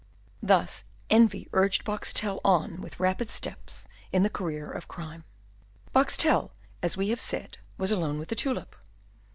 Thus envy urged Boxtel on with rapid steps in the career of crime. Boxtel, as we have said, was alone with the tulip.